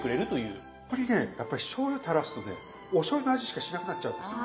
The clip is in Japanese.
これねやっぱりしょうゆたらすとねおしょうゆの味しかしなくなっちゃうんですよ。